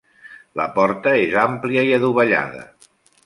La porta és ampla i adovellada.